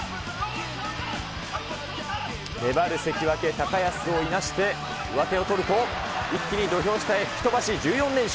粘る関脇・高安をいなして上手を取ると、一気に土俵下へ吹き飛ばし１４連勝。